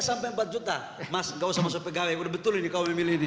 sampai empat juta mas gak usah masuk pegawai udah betul ini kau memilih ini